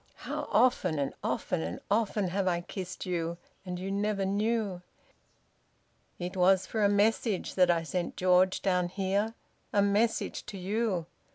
"How often and often and often have I kissed you, and you never knew! ... It was for a message that I sent George down here a message to you!